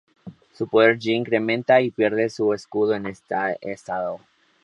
Su Poder G incrementa y pierde su escudo en este estado.